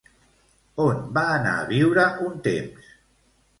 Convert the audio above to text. On va anar a viure un temps?